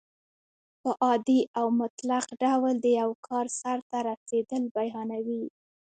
په عادي او مطلق ډول د یو کار سرته رسېدل بیانیوي.